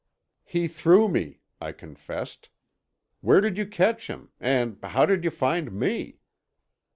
"He threw me," I confessed. "Where did you catch him? And how did you find me?"